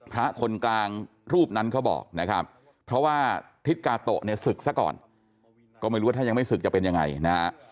พระคนกลางรูปนั้นเขาบอกนะครับเพราะว่าทิศกาโตะเนี่ยศึกซะก่อนก็ไม่รู้ว่าถ้ายังไม่ศึกจะเป็นยังไงนะฮะ